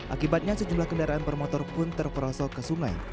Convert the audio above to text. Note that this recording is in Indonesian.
akibatnya sejumlah kendaraan bermotor pun terperosok ke sungai